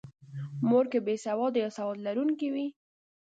مور که بې سواده یا سواد لرونکې وي.